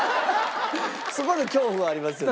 そこの恐怖はありますよね。